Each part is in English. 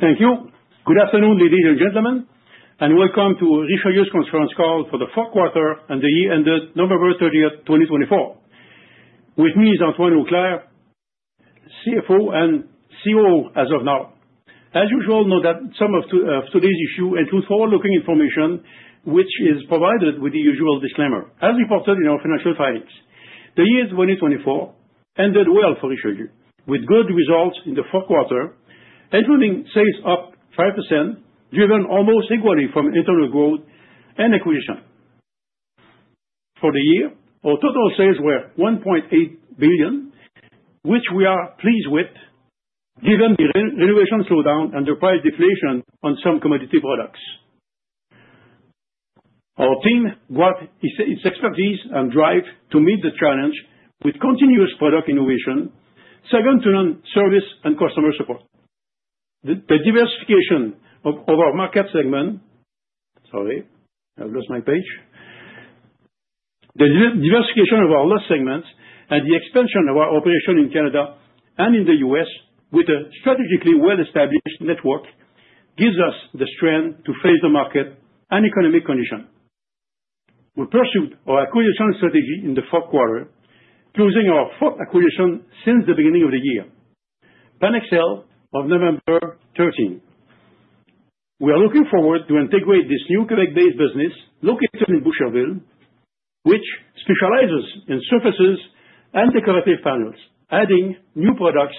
Thank you. Good afternoon, ladies and gentlemen, and welcome to Richelieu's conference call for the fourth quarter of the year ended November 30th, 2024. With me is Antoine Auclair, CFO and COO as of now. As usual, note that some of today's statements include forward-looking information, which is provided with the usual disclaimer, as reported in our financial filings. The year 2024 ended well for Richelieu, with good results in the fourth quarter, including sales up 5%, driven almost equally from internal growth and acquisition. For the year, our total sales were 1.8 billion, which we are pleased with, given the renovation slowdown and the price deflation on some commodity products. Our team brought its expertise and drive to meet the challenge with continuous product innovation, second to none service and customer support. The diversification of our market segment and the expansion of our operation in Canada and in the U.S., with a strategically well-established network, gives us the strength to face the market and economic condition. We pursued our acquisition strategy in the fourth quarter, closing our fourth acquisition since the beginning of the year, Panex-el of November 13th. We are looking forward to integrate this new Quebec-based business located in Boucherville, which specializes in surfaces and decorative panels, adding new products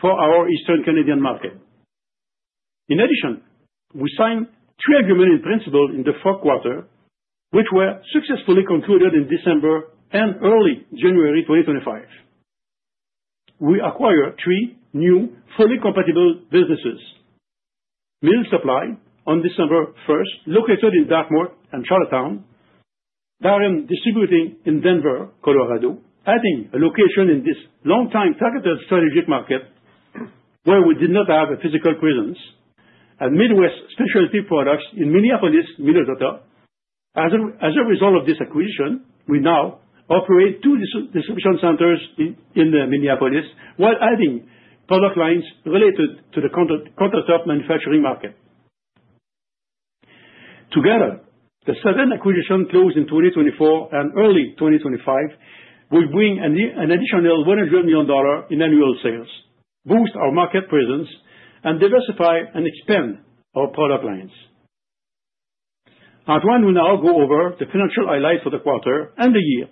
for our Eastern Canadian market. In addition, we signed three agreements in principle in the fourth quarter, which were successfully concluded in December and early January 2025. We acquired three new fully compatible businesses: Mill Supply on December 1st, located in Dartmouth and Charlottetown, Darant Distributing in Denver, Colorado, adding a location in this long-time targeted strategic market where we did not have a physical presence, and Midwest Specialty Products in Minneapolis, Minnesota. As a result of this acquisition, we now operate two distribution centers in Minneapolis while adding product lines related to the countertop manufacturing market. Together, the seven acquisitions closed in 2024 and early 2025 will bring an additional 100 million dollars in annual sales, boost our market presence, and diversify and expand our product lines. Antoine will now go over the financial highlights for the quarter and the year.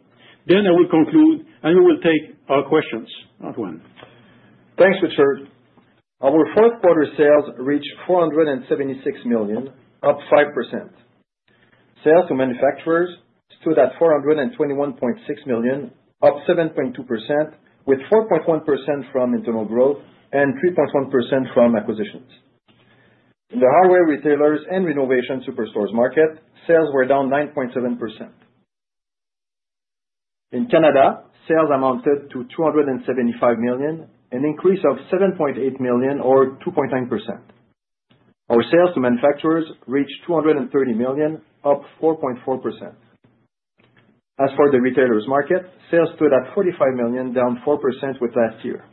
Then I will conclude, and we will take our questions. Antoine. Thanks, Richard. Our fourth quarter sales reached 476 million, up 5%. Sales to manufacturers stood at 421.6 million, up 7.2%, with 4.1% from internal growth and 3.1% from acquisitions. In the hardware retailers and renovation superstores market, sales were down 9.7%. In Canada, sales amounted to 275 million, an increase of 7.8 million or 2.9%. Our sales to manufacturers reached 230 million, up 4.4%. As for the retailers' market, sales stood at 45 million, down 4% with last year.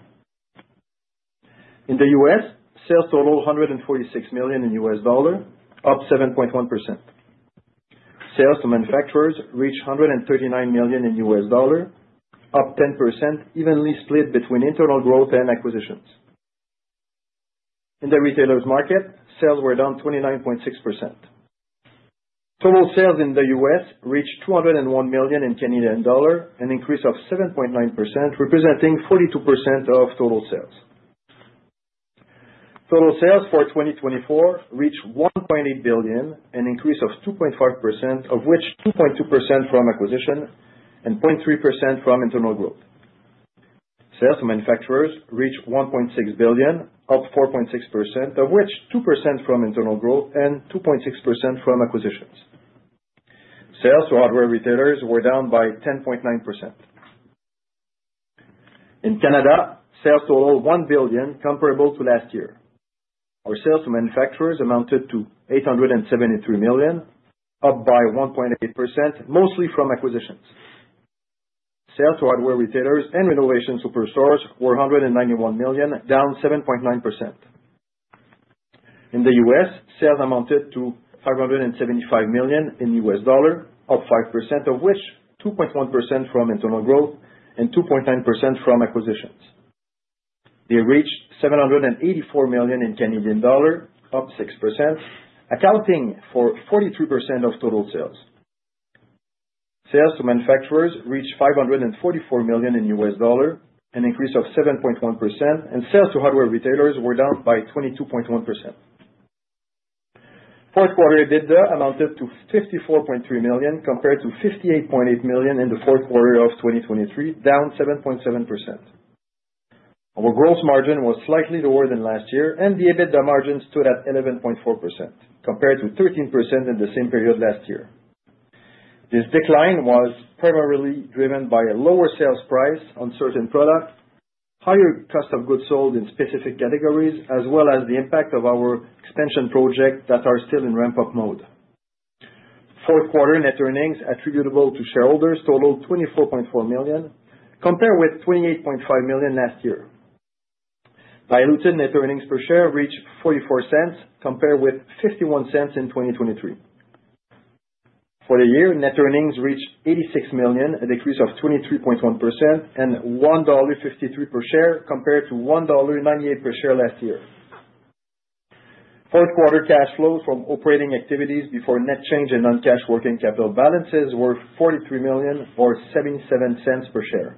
In the U.S., sales totaled $146 million in U.S. dollar, up 7.1%. Sales to manufacturers reached $139 million in U.S. dollar, up 10%, evenly split between internal growth and acquisitions. In the retailers' market, sales were down 29.6%. Total sales in the U.S. reached 201 million in Canadian dollar, an increase of 7.9%, representing 42% of total sales. Total sales for 2024 reached 1.8 billion, an increase of 2.5%, of which 2.2% from acquisition and 0.3% from internal growth. Sales to manufacturers reached 1.6 billion, up 4.6%, of which 2% from internal growth and 2.6% from acquisitions. Sales to hardware retailers were down by 10.9%. In Canada, sales totaled 1 billion, comparable to last year. Our sales to manufacturers amounted to 873 million, up by 1.8%, mostly from acquisitions. Sales to hardware retailers and renovation superstores were 191 million, down 7.9%. In the U.S., sales amounted to $575 million, up 5%, of which 2.1% from internal growth and 2.9% from acquisitions. They reached 784 million, up 6%, accounting for 43% of total sales. Sales to manufacturers reached $544 million, an increase of 7.1%, and sales to hardware retailers were down by 22.1%. Fourth quarter EBITDA amounted to 54.3 million, compared to 58.8 million in the fourth quarter of 2023, down 7.7%. Our gross margin was slightly lower than last year, and the EBITDA margin stood at 11.4%, compared to 13% in the same period last year. This decline was primarily driven by a lower sales price on certain products, higher cost of goods sold in specific categories, as well as the impact of our expansion projects that are still in ramp-up mode. Fourth quarter net earnings attributable to shareholders totaled 24.4 million, compared with 28.5 million last year. Diluted net earnings per share reached 0.44, compared with 0.51 in 2023. For the year, net earnings reached 86 million, a decrease of 23.1%, and 1.53 dollar per share, compared to 1.98 dollar per share last year. Fourth quarter cash flows from operating activities before net change and non-cash working capital balances were 43 million or 0.77 per share.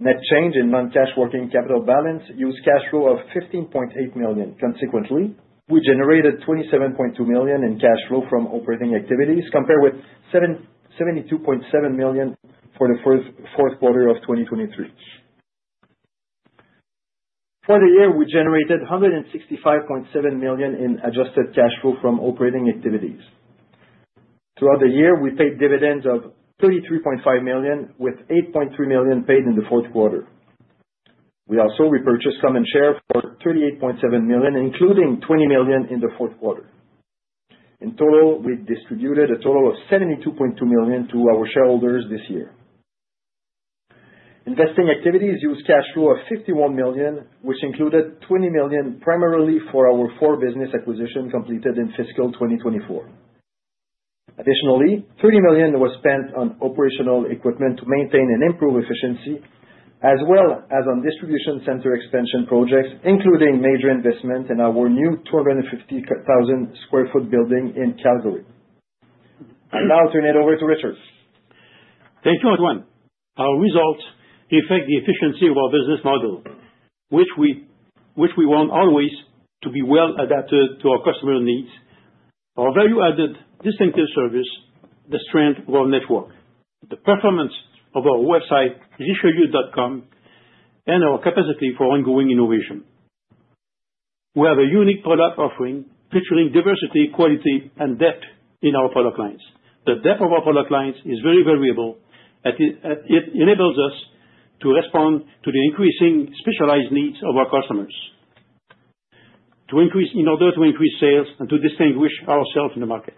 Net change and non-cash working capital balance used cash flow of 15.8 million. Consequently, we generated 27.2 million in cash flow from operating activities, compared with 72.7 million for the fourth quarter of 2023. For the year, we generated 165.7 million in adjusted cash flow from operating activities. Throughout the year, we paid dividends of 33.5 million, with 8.3 million paid in the fourth quarter. We also repurchased common share for 38.7 million, including 20 million in the fourth quarter. In total, we distributed a total of 72.2 million to our shareholders this year. Investing activities used cash flow of 51 million, which included 20 million primarily for our four business acquisitions completed in fiscal 2024. Additionally, 30 million was spent on operational equipment to maintain and improve efficiency, as well as on distribution center expansion projects, including major investments in our new 250,000 sq ft building in Calgary. I now turn it over to Richard. Thank you, Antoine. Our results affect the efficiency of our business model, which we want always to be well adapted to our customer needs, our value-added distinctive service, the strength of our network, the performance of our website, richelieu.com, and our capacity for ongoing innovation. We have a unique product offering featuring diversity, quality, and depth in our product lines. The depth of our product lines is very variable, and it enables us to respond to the increasing specialized needs of our customers in order to increase sales and to distinguish ourselves in the market.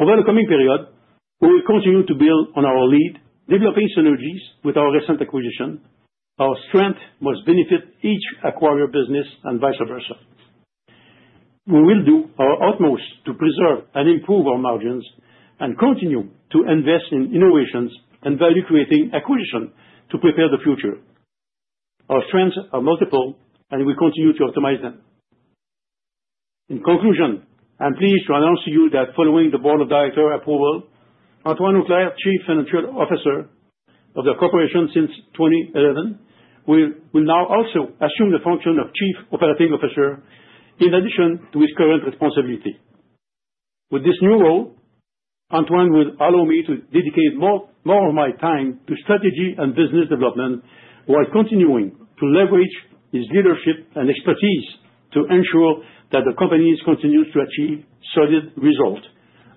Over the coming period, we will continue to build on our lead, developing synergies with our recent acquisition. Our strength must benefit each acquired business and vice versa. We will do our utmost to preserve and improve our margins and continue to invest in innovations and value-creating acquisitions to prepare the future. Our strengths are multiple, and we continue to optimize them. In conclusion, I'm pleased to announce to you that following the Board of Directors' approval, Antoine Auclair, Chief Financial Officer of the Corporation since 2011, will now also assume the function of Chief Operating Officer in addition to his current responsibility. With this new role, Antoine will allow me to dedicate more of my time to strategy and business development while continuing to leverage his leadership and expertise to ensure that the company continues to achieve solid results.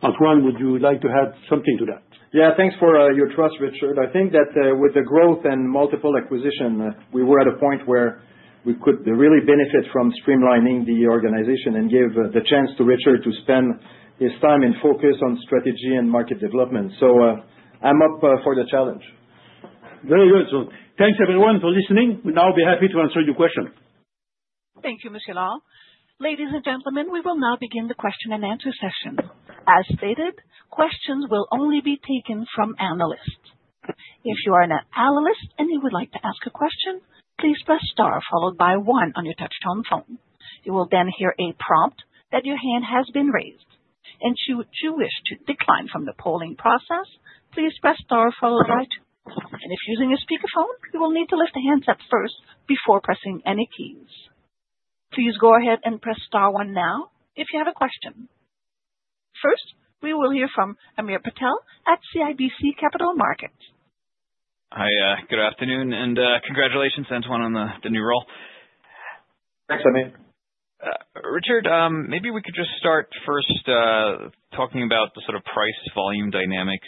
Antoine, would you like to add something to that? Yeah, thanks for your trust, Richard. I think that with the growth and multiple acquisitions, we were at a point where we could really benefit from streamlining the organization and give the chance to Richard to spend his time and focus on strategy and market development. So I'm up for the challenge. Very good. So thanks, everyone, for listening. We'll now be happy to answer your questions. Thank you. Ladies and gentlemen, we will now begin the question and answer session. As stated, questions will only be taken from analysts. If you are an analyst and you would like to ask a question, please press star followed by one on your touch-tone phone. You will then hear a prompt that your hand has been raised. And should you wish to decline from the polling process, please press star followed by two. And if using a speakerphone, you will need to lift the handset up first before pressing any keys. Please go ahead and press star one now if you have a question. First, we will hear from Hamir Patel at CIBC Capital Markets. Hi, good afternoon, and congratulations, Antoine, on the new role. Thanks, Amir. Richard, maybe we could just start first talking about the sort of price-volume dynamics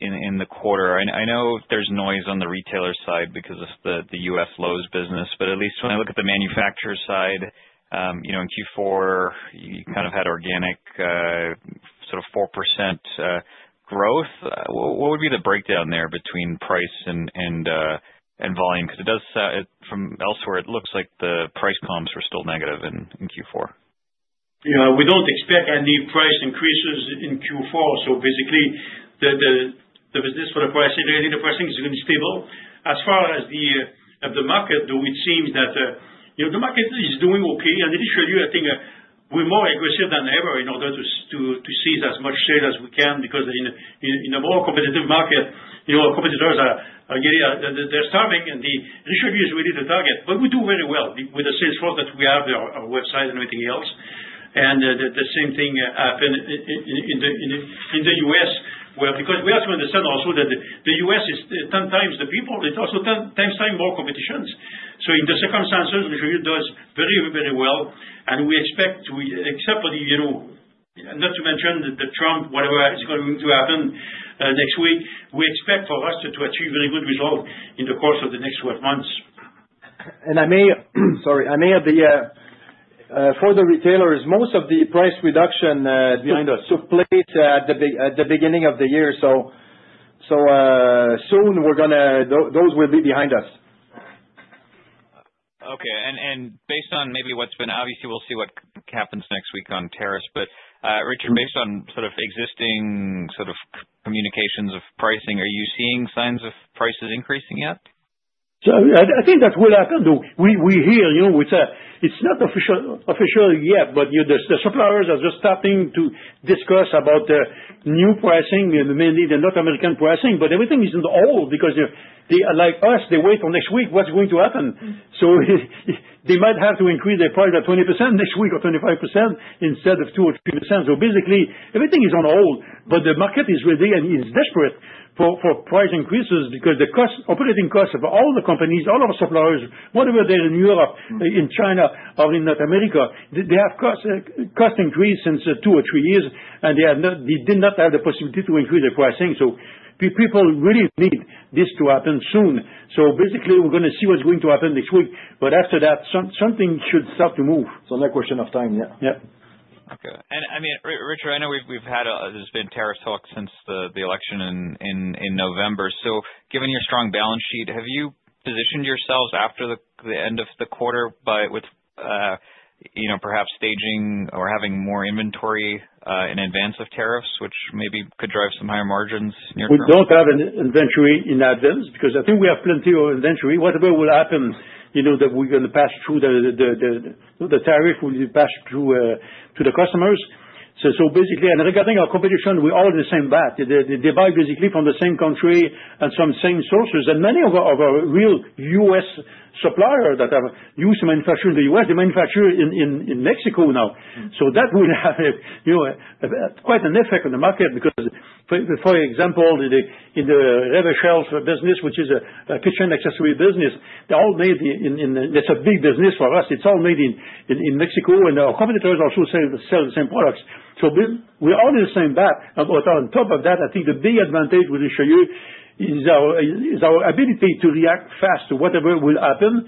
in the quarter. I know there's noise on the retailer side because of the U.S. Lowe's business, but at least when I look at the manufacturer side, in Q4, you kind of had organic sort of 4% growth. What would be the breakdown there between price and volume? Because it does sound from elsewhere, it looks like the price columns were still negative in Q4. We don't expect any price increases in Q4. So basically, the business for the price in the pricing is going to be stable. As far as the market, though, it seems that the market is doing okay, and initially, I think we're more aggressive than ever in order to seize as much sales as we can because in a more competitive market, our competitors are starving, and the initial view is really the target. But we do very well with the sales force that we have there, our website and everything else, and the same thing happened in the U.S., where because we have to understand also that the U.S. is 10x the people, it's also 10x time more competitions. So in the circumstances, Richard does very, very well. We expect, except for, not to mention that Trump, whatever is going to happen next week, we expect for us to achieve very good results in the course of the next 12 months. Sorry, I may have the for the retailers. Most of the price reduction behind us took place at the beginning of the year. So, soon, those will be behind us. Okay. And based on maybe what's been, obviously, we'll see what happens next week on tariffs. But Richard, based on sort of existing sort of communications of pricing, are you seeing signs of prices increasing yet? So I think that will happen, though. We hear it's not official yet, but the suppliers are just starting to discuss about new pricing, mainly the North American pricing. But everything is on hold because like us, they wait till next week what's going to happen. So they might have to increase their price by 20% next week or 25% instead of 2% or 3%. So basically, everything is on hold. But the market is ready and is desperate for price increases because the cost, operating costs of all the companies, all of our suppliers, whatever they're in Europe, in China, or in North America, they have cost increased since two or three years, and they did not have the possibility to increase their pricing. So people really need this to happen soon. So basically, we're going to see what's going to happen next week. But after that, something should start to move. It's only a question of time. Yeah. Yeah. Okay. And I mean, Richard, I know there's been tariff talks since the election in November. So given your strong balance sheet, have you positioned yourselves after the end of the quarter with perhaps staging or having more inventory in advance of tariffs, which maybe could drive some higher margins near term? We don't have an inventory in advance because I think we have plenty of inventory. Whatever will happen that we're going to pass through the tariff, we'll pass through to the customers. So basically, and regarding our competition, we're all in the same boat. They buy basically from the same country and from the same sources. And many of our real U.S. suppliers that use manufacturing in the U.S., they manufacture in Mexico now. So that will have quite an effect on the market because, for example, in the Rev-A-Shelf business, which is a kitchen accessory business, they're all made in, that's a big business for us. It's all made in Mexico, and our competitors also sell the same products. So we're all in the same boat. On top of that, I think the big advantage with Richelieu is our ability to react fast to whatever will happen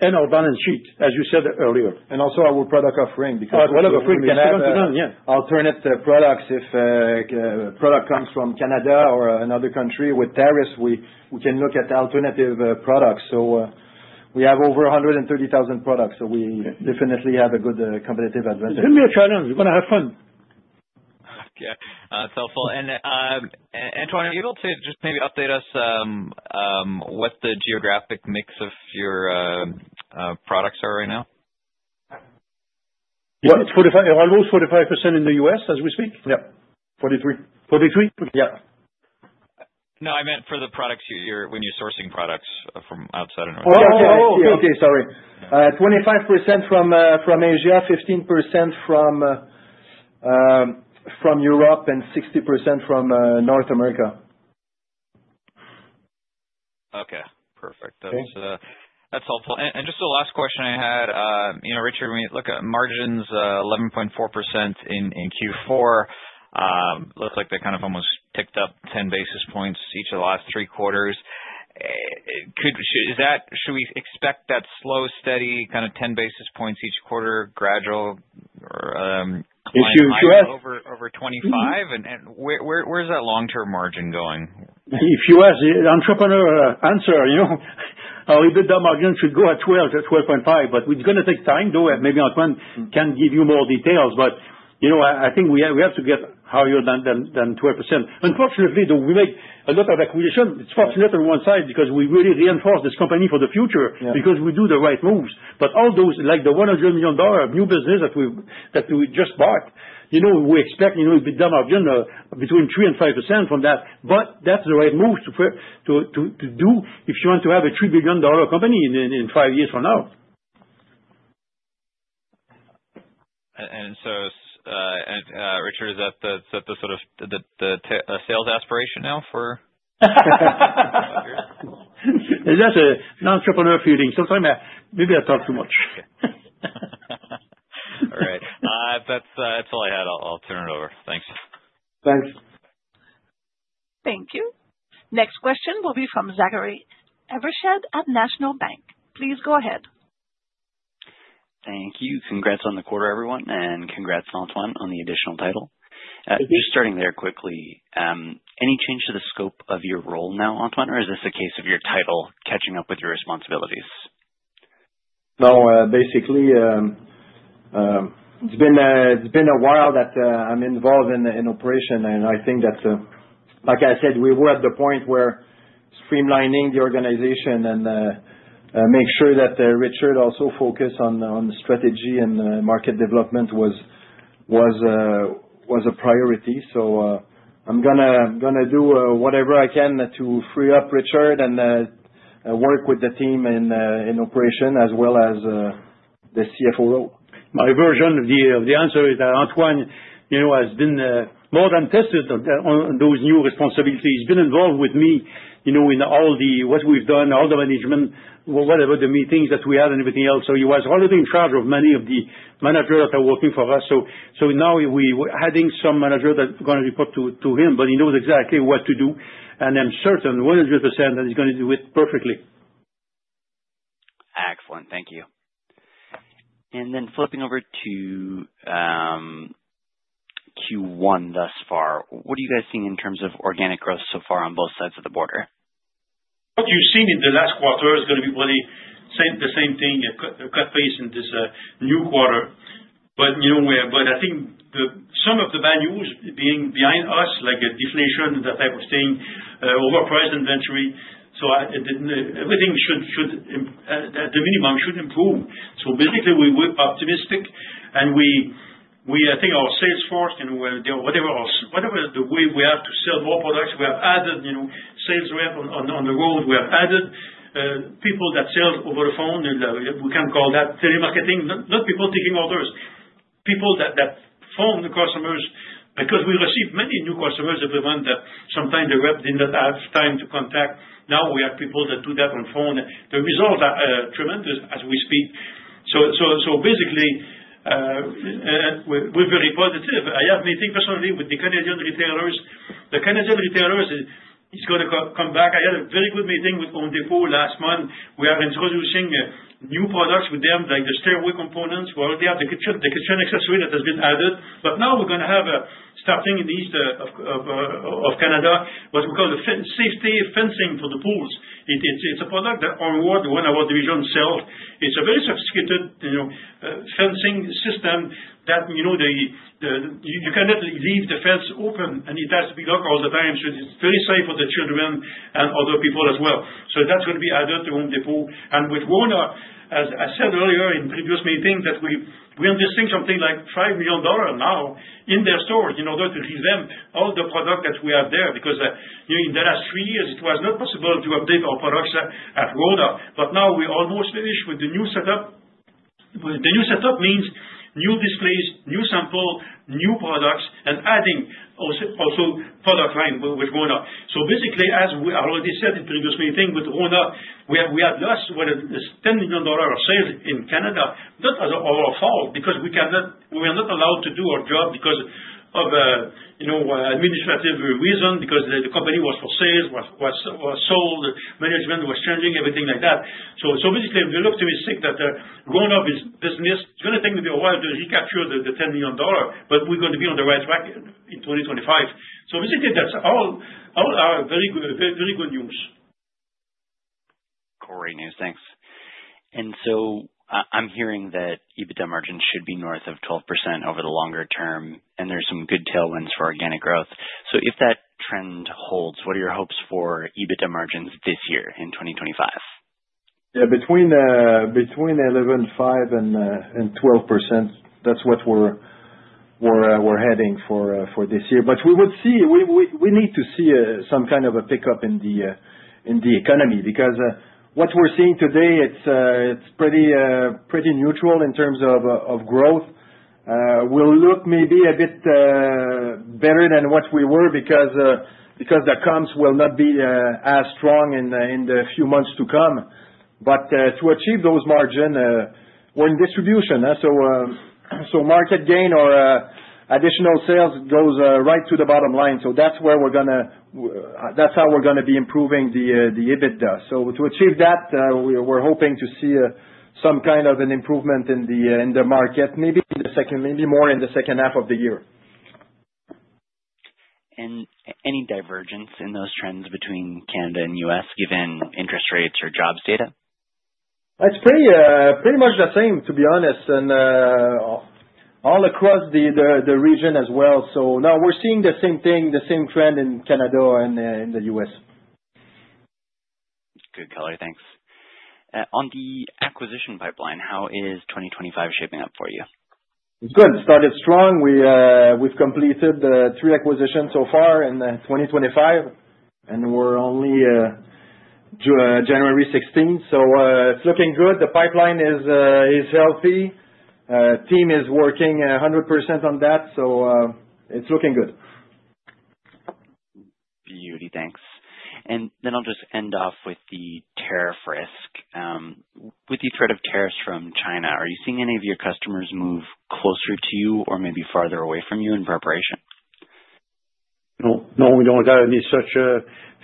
and our balance sheet, as you said earlier. Also our product offering because we have a significant advantage. I'll turn it to products. If a product comes from Canada or another country with tariffs, we can look at alternative products. So we have over 130,000 products. So we definitely have a good competitive advantage. It's going to be a challenge. We're going to have fun. Okay. That's helpful, and Antoine, are you able to just maybe update us what the geographic mix of your products are right now? Yeah. It's almost 45% in the US as we speak. Yeah. 43. 43? Yeah. No, I meant for the products when you're sourcing products from outside of North America. Oh, okay. Okay. Sorry. 25% from Asia, 15% from Europe, and 60% from North America. Okay. Perfect. That's helpful. And just the last question I had, Richard, when you look at margins, 11.4% in Q4, looks like they kind of almost ticked up 10 basis points each of the last three quarters. Should we expect that slow, steady kind of 10 basis points each quarter, gradual climbing over 25%? And where's that long-term margin going? If you ask an entrepreneur answer, our EBITDA margin should go at 12%-12.5%. But it's going to take time, though. Maybe Antoine can give you more details. But I think we have to get higher than 12%. Unfortunately, though, we make a lot of acquisitions. It's fortunate on one side because we really reinforce this company for the future because we do the right moves. But all those, like the 100 million dollar new business that we just bought, we expect EBITDA margin between 3% and 5% from that. But that's the right move to do if you want to have a 3 billion dollar company in five years from now. And so, Richard, is that the sort of sales aspiration now for? That's an entrepreneur feeling. Sometimes maybe I talk too much. Okay. All right. That's all I had. I'll turn it over. Thanks. Thanks. Thank you. Next question will be from Zachary Evershed at National Bank. Please go ahead. Thank you. Congrats on the quarter, everyone. And congrats on Antoine on the additional title. Just starting there quickly, any change to the scope of your role now, Antoine, or is this a case of your title catching up with your responsibilities? No. Basically, it's been a while that I'm involved in operations. And I think that, like I said, we were at the point where streamlining the organization and make sure that Richard also focused on strategy and market development was a priority. So I'm going to do whatever I can to free up Richard and work with the team in operations as well as the CFO role. My version of the answer is that Antoine has been more than tested on those new responsibilities. He's been involved with me in all what we've done, all the management, whatever the meetings that we have and everything else. So he was already in charge of many of the managers that are working for us. So now we're adding some managers that are going to report to him, but he knows exactly what to do. And I'm certain 100% that he's going to do it perfectly. Excellent. Thank you. And then flipping over to Q1 thus far, what are you guys seeing in terms of organic growth so far on both sides of the border? What you've seen in the last quarter is going to be probably the same thing, a cut pace in this new quarter. But I think some of the bad news being behind us, like deflation, that type of thing, overpriced inventory. So everything should, at the minimum, improve. So basically, we're optimistic. And I think our sales force can whatever the way we have to sell more products. We have added sales rep on the road. We have added people that sell over the phone. We can call that telemarketing. Not people taking orders. People that phone the customers because we receive many new customers every month that sometimes the rep did not have time to contact. Now we have people that do that on phone. The results are tremendous as we speak. So basically, we're very positive. I have a meeting personally with the Canadian retailers. The Canadian retailers is going to come back. I had a very good meeting with Home Depot last month. We are introducing new products with them, like the stairway components, where they have the kitchen accessory that has been added. But now we're going to have starting in the east of Canada, what we call the safety fencing for the pools. It's a product that our division sells. It's a very sophisticated fencing system that you cannot leave the fence open, and it has to be locked all the time. So it's very safe for the children and other people as well. So that's going to be added to Home Depot. With RONA, as I said earlier in previous meetings, that we're investing something like 5 million dollars now in their stores in order to revamp all the products that we have there because in the last three years, it was not possible to update our products at RONA. Now we almost finished with the new setup. The new setup means new displays, new samples, new products, and adding also product line with RONA. Basically, as we already said in previous meeting with RONA, we had lost 10 million dollars of sales in Canada. Not our fault because we were not allowed to do our job because of administrative reasons, because the company was for sale, was sold, management was changing, everything like that. Basically, we look to make up that RONA's business. It's going to take maybe a while to recapture the 10 million dollar, but we're going to be on the right track in 2025. So basically, that's all very good news. Great news. Thanks, and so I'm hearing that EBITDA margin should be north of 12% over the longer term, and there's some good tailwinds for organic growth, so if that trend holds, what are your hopes for EBITDA margins this year in 2025? Yeah. Between 11.5% and 12%, that's what we're heading for this year. But we need to see some kind of a pickup in the economy because what we're seeing today, it's pretty neutral in terms of growth. We'll look maybe a bit better than what we were because the comps will not be as strong in the few months to come. But to achieve those margins, we're in distribution. So market gain or additional sales goes right to the bottom line. So that's where we're going to. That's how we're going to be improving the EBITDA. So to achieve that, we're hoping to see some kind of an improvement in the market, maybe more in the second half of the year. Any divergence in those trends between Canada and U.S., given interest rates or jobs data? It's pretty much the same, to be honest, and all across the region as well. So now we're seeing the same thing, the same trend in Canada and in the US. Good color. Thanks. On the acquisition pipeline, how is 2025 shaping up for you? It's good. It started strong. We've completed three acquisitions so far in 2025, and we're only January 16. So it's looking good. The pipeline is healthy. Team is working 100% on that. So it's looking good. Beauty. Thanks. And then I'll just end off with the tariff risk. With the threat of tariffs from China, are you seeing any of your customers move closer to you or maybe farther away from you in preparation? No. We don't have any such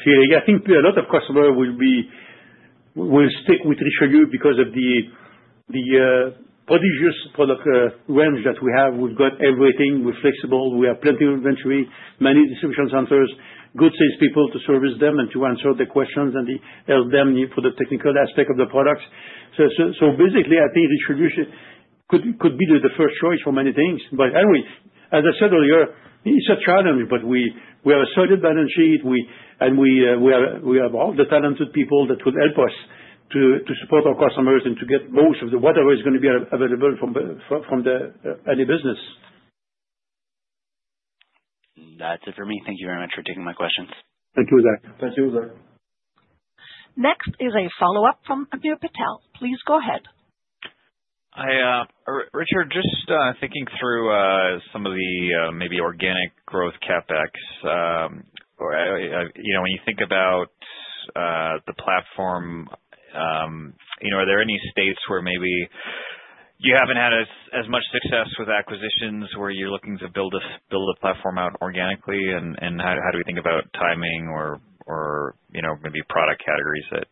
fear. I think a lot of customers will stick with Richelieu because of the prodigious product range that we have. We've got everything. We're flexible. We have plenty of inventory, many distribution centers, good salespeople to service them and to answer their questions and help them for the technical aspect of the products. So basically, I think Richelieu could be the first choice for many things. But anyway, as I said earlier, it's a challenge, but we have a solid balance sheet, and we have all the talented people that will help us to support our customers and to get most of whatever is going to be available from any business. That's it for me. Thank you very much for taking my questions. Thank you, Zach. Thank you, Zach. Next is a follow-up from Hamir Patel. Please go ahead. Richard, just thinking through some of the maybe organic growth CapEx. When you think about the platform, are there any states where maybe you haven't had as much success with acquisitions where you're looking to build a platform out organically? And how do we think about timing or maybe product categories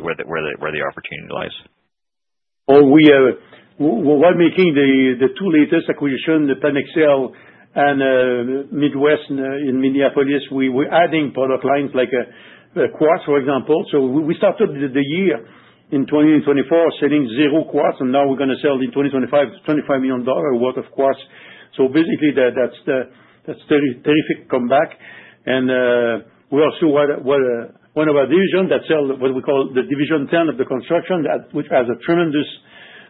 where the opportunity lies? We are making the two latest acquisitions, the Pan-Excel and Midwest in Minneapolis. We're adding product lines like quartz, for example. So we started the year in 2024 selling zero quartz, and now we're going to sell in 2025, $25 million worth of quartz. So basically, that's a terrific comeback. And we also have one of our divisions that sells what we call the Division 10 of the construction, which has a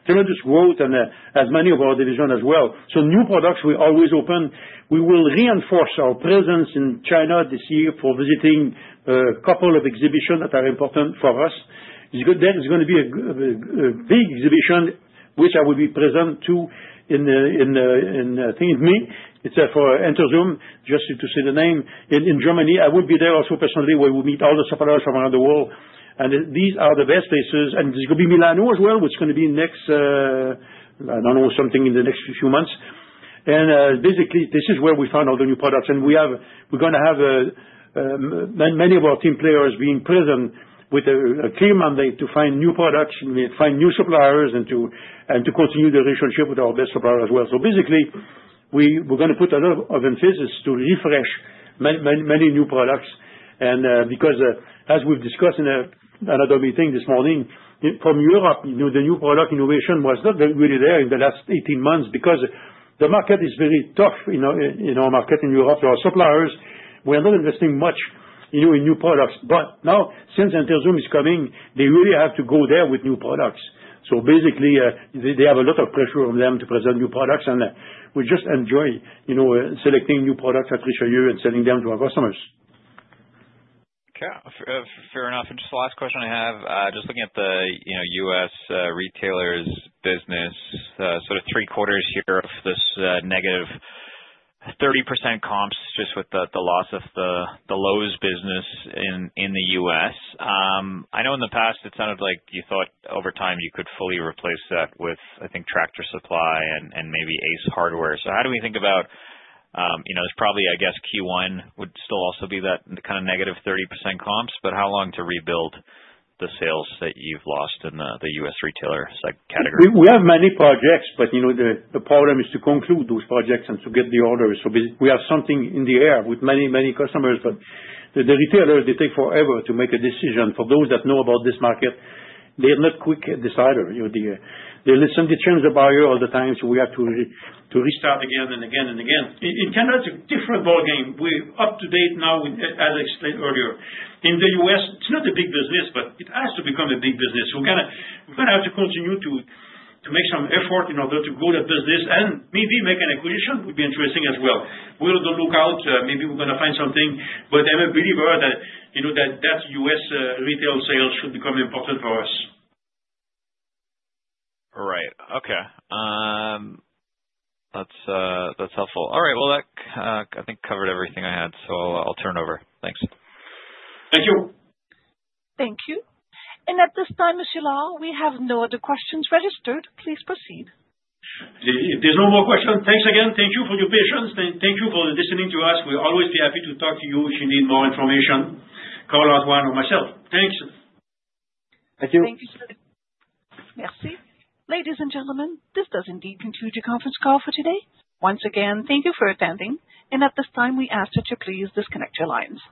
tremendous growth and has many of our divisions as well. So new products, we always open. We will reinforce our presence in China this year for visiting a couple of exhibitions that are important for us. There is going to be a big exhibition, which I will be present to in, I think, May. It's for Interzum, just to say the name. In Germany, I will be there also personally where we meet all the suppliers from around the world. And these are the best places. And there's going to be Milano as well, which is going to be next, I don't know, something in the next few months. And basically, this is where we find all the new products. And we're going to have many of our team players being present with a clear mandate to find new products, find new suppliers, and to continue the relationship with our best suppliers as well. So basically, we're going to put a lot of emphasis to refresh many new products. And because, as we've discussed in another meeting this morning, from Europe, the new product innovation was not really there in the last 18 months because the market is very tough in our market in Europe. There are suppliers. We're not investing much in new products. But now, since Interzum is coming, they really have to go there with new products. So basically, they have a lot of pressure on them to present new products. And we just enjoy selecting new products at Richelieu and selling them to our customers. Fair enough. And just the last question I have, just looking at the U.S. retailers business, sort of three-quarters here of this negative 30% comps just with the loss of the Lowe's business in the U.S. I know in the past, it sounded like you thought over time you could fully replace that with, I think, Tractor Supply and maybe Ace Hardware. So how do we think about there's probably, I guess, Q1 would still also be that kind of -30% comps, but how long to rebuild the sales that you've lost in the U.S. retailer category? We have many projects, but the problem is to conclude those projects and to get the orders, so we have something in the air with many, many customers, but the retailers, they take forever to make a decision. For those that know about this market, they're not quick deciders. They listen to change the buyer all the time, so we have to restart again and again and again. In Canada, it's a different ball game. We're up to date now, as I explained earlier. In the U.S., it's not a big business, but it has to become a big business. We're going to have to continue to make some effort in order to grow the business and maybe make an acquisition would be interesting as well. We'll have to look out. Maybe we're going to find something. But I'm a believer that U.S. retail sales should become important for us. Right. Okay. That's helpful. All right. Well, that, I think, covered everything I had. So I'll turn it over. Thanks. Thank you. Thank you, and at this time, Mr. Lord, we have no other questions registered. Please proceed. There's no more questions. Thanks again. Thank you for your patience. Thank you for listening to us. We'll always be happy to talk to you if you need more information, Antoine Auclair or myself. Thanks. Thank you. Thank you. Merci. Ladies and gentlemen, this does indeed conclude your conference call for today. Once again, thank you for attending, and at this time, we ask that you please disconnect your lines.